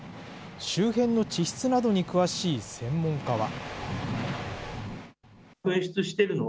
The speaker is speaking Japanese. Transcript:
周辺の地質などに詳しい専門家は。